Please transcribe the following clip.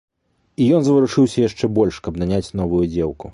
І ён заварушыўся яшчэ больш, каб наняць новую дзеўку.